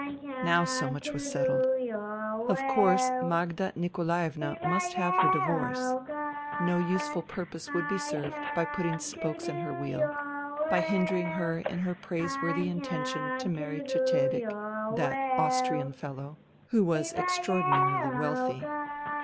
Now so much was settled. Of course, Magda Nikolaevna must have her divorce. No useful purpose would be THE THREE SISTERS 65 served by putting spokes in her wheel, by hindering her in her praiseworthy intention to marry Cecedek, that Austrian fellow, who was extraordinarily wealthy.